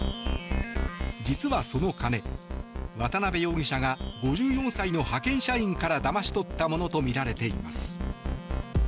実はその金、渡邊容疑者が５４歳の派遣社員からだまし取ったものとみられています。